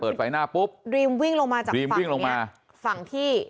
ดรีมวิ่งลงมาจากฝั่งเนี่ย